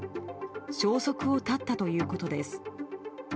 消息を絶ったということです。